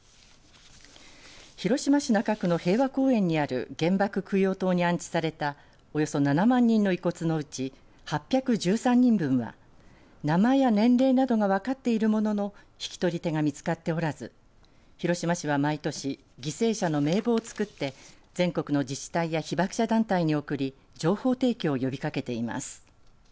広島市中区の平和公園にある原爆供養塔に安置されたおよそ７万人の遺骨のうち８１３人分は、名前や年齢などが分かっているものの引き取り手が見つかっておらず広島市は毎年犠牲者の名簿を作って全国の自治体や被爆者団体に送り情報提供を呼びかけています。